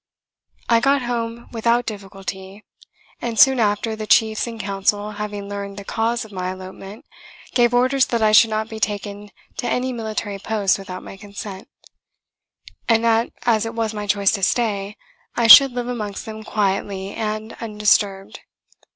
I got home without difficulty; and soon after, the chiefs in council having learned the cause of my elopement, gave orders that I should not be taken to any military post without my consent; and that as it was my choice to stay, I should live amongst them quietly and undisturbed.